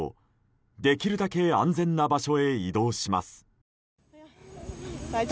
できるだけ安全な場所へ移動します。